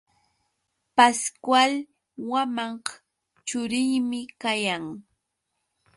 Pascual wamaq churiymi kayan.